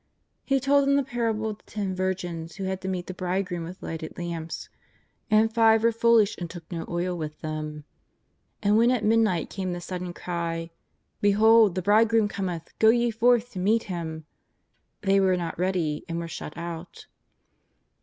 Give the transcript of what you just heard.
He told them the parable of the Ten Virgins who had to meet the Bridegroom with lighted lamps. And five were foolish and took no oil with them. And when at mid night came the sudden cry :" Behold, the Bridegroom cometh, go ye forth to meet Him !" they were not ready and were shut out.